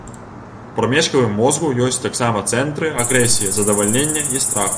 У прамежкавым мозгу ёсць таксама цэнтры агрэсіі, задавальнення і страху.